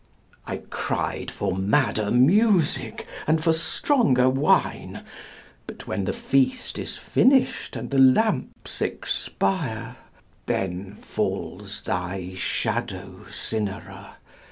I cried for madder music and for stronger wine, But when the feast is finished and the lamps expire, Then falls thy shadow, Cynara!